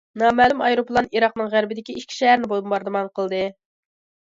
نامەلۇم ئايروپىلان ئىراقنىڭ غەربىدىكى ئىككى شەھەرنى بومباردىمان قىلدى.